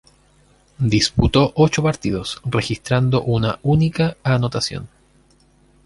Disputó ocho partidos registrando una única anotación.